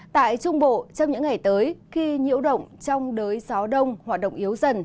tại trung bộ trong những ngày tới khi nhiễu động trong đới gió đông hoạt động yếu dần